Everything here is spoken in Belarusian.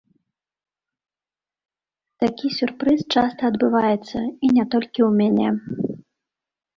Такі сюрпрыз часта адбываецца, і не толькі ў мяне.